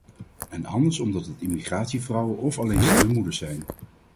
En anders omdat het immigrantenvrouwen of alleenstaande moeders zijn.